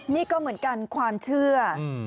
นี่ก็เหมือนกันความเชื่อ